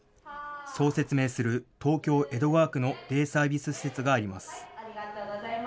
そう説明する東京・江戸川区のデイサービス施設があります。